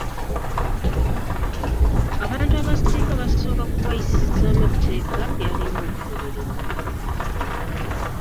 Abantu abasinga basooka kubayosizaamu tteeka lyalina okugobererwa